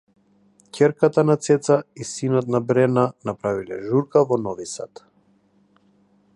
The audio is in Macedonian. Ќерката на Цеца и синот на Брена направиле журка во Нови Сад